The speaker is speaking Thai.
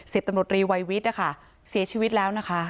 ตำรวจรีวัยวิทย์นะคะเสียชีวิตแล้วนะคะ